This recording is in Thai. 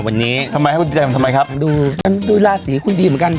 วันนี้ทำไมทำไมครับดูด้วยล่าสีคุณดีเหมือนกัน